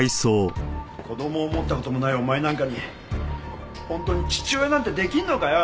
子供を持った事もないお前なんかに本当に父親なんて出来るのかよ！